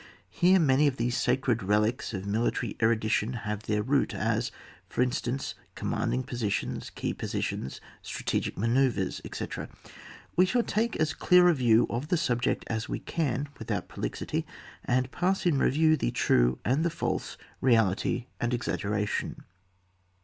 Here many of the sacred relics of military erudition have their root, as, for instance, com manding positions, key positions, strate gic manoeuvres, etc. We shall take as dear a view of the subject as we can without prolixity, and pass in review the true and the false, reality and exaggera tion.